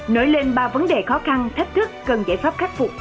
nổi lên ba vấn đề khó khăn thách thức cần giải pháp khắc phục